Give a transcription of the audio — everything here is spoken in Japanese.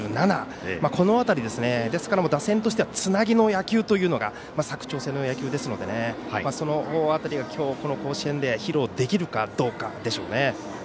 この辺り、打線としてはつなぎの野球というのが佐久長聖の野球ですのでその辺りが今日、この甲子園で披露できるかどうかでしょうね。